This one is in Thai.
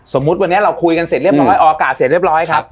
สมมุติวันนี้เราคุยกันเสร็จเรียบร้อยออกอากาศเสร็จเรียบร้อยครับ